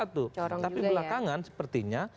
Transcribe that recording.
tapi belakangan sepertinya